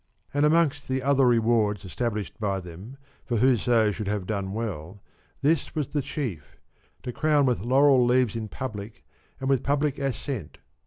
And amongst the other rewards established by them for whoso should have done well, this was the chief: to crown with laurel leaves in public and with public assent.